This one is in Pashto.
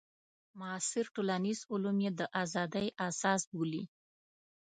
معاصر ټولنیز علوم یې د ازادۍ اساس بولي.